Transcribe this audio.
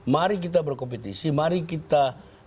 mari kita berkompetisi mari kita